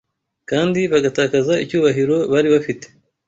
kandi bagatakaza icyubahiro bari bafite